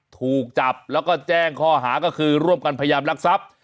ถูกจับแล้วก็แจ้งข้อหาก็คือร่วมกันพยายามรักทรัพย์